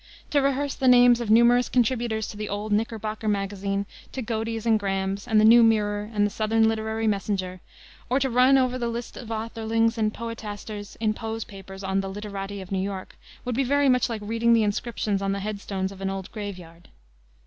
To rehearse the names of the numerous contributors to the old Knickerbocker Magazine, to Godey's, and Graham's, and the New Mirror, and the Southern Literary Messenger, or to run over the list of authorlings and poetasters in Poe's papers on the Literati of New York, would be very much like reading the inscriptions on the head stones of an old grave yard.